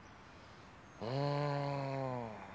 うん。